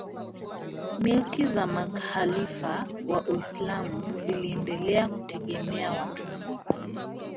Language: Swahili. Milki za makhalifa wa Uislamu ziliendelea kutegemea watumwa